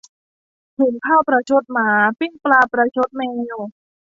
หุงข้าวประชดหมา ปิ้งปลาประชดแมว